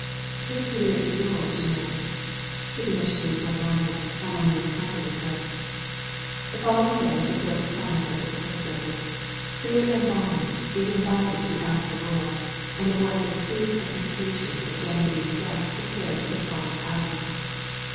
"His career is yours, you know," kittenishly bromidic, Emelene comforted her. The following day fulfilled the promise of its predecessor. Clear and balmy, it invited to the outer, world, and it was with pleased anticipation that Genevieve's guests prepared for the promised outing.